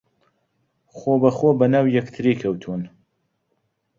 خۆبەخۆ بەناو یەکتری کەوتوون